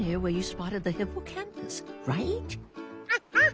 アッハッ！